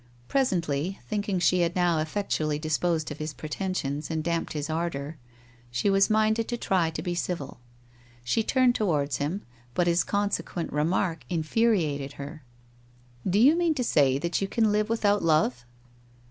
Presently, thinking she had now effectually disposed of his pretensions and damped his ardour, she was minded to try to be civil. She turned towards him, but his consequent remark in furiated her. 'Do you mean to say that you can live without love?'